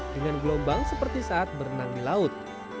dengan gelombang seperti saat berenang di laut